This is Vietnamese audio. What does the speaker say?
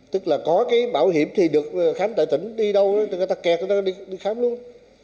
tức là có cái bảo hiểm thì được khám tại tỉnh đi đâu thì người ta kẹt người ta đi khám luôn